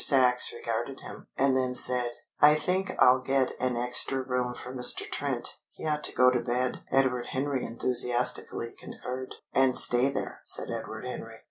Sachs regarded him, and then said: "I think I'll get an extra room for Mr. Trent. He ought to go to bed." Edward Henry enthusiastically concurred. "And stay there!" said Edward Henry.